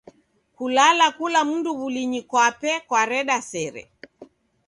Kulala kula mndu w'ulinyi kwape kwareda sere.